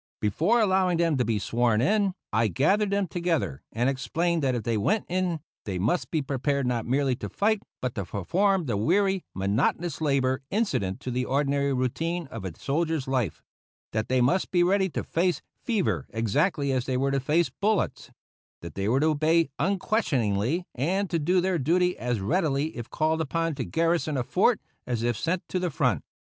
Before allowing them to be sworn in, I gathered them together and explained that if they went in they must be prepared not merely to fight, but to perform the weary, monotonous labor incident to the ordinary routine of a soldier's life; that they must be ready to face fever exactly as they were to face bullets; that they were to obey unquestioningly, and to do their duty as readily if called upon to garrison a fort as if sent to the front.